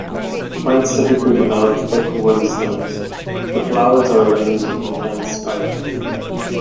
Plants typically develop thick woody stems; the flowers are arranged in a dense spike.